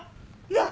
なっ？